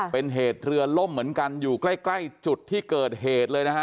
เป็นเหตุเรือล่มเหมือนกันอยู่ใกล้จุดที่เกิดเหตุเลยนะฮะ